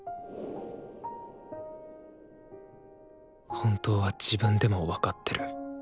本当は自分でも分かってる。